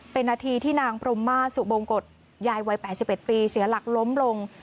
เป็นนาทีที่นางพรมมาสุบงกฎยายวัย๘๑ปีเสียหลักล้มลง